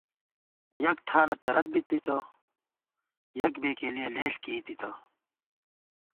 یَک ٹھانہ تہ رَت بِتِتہ ، یَک بېکېلِیَہ لېݪ کېئی تِتہ